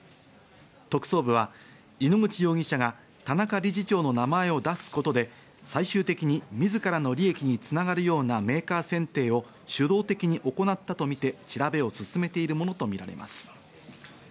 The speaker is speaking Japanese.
特捜部は井ノ口容疑者が田中理事長の名前を出すことで最終的に自らの利益に繋がるようなメーカー選定を主導的に行ったとみて調べを進めているものとみられます。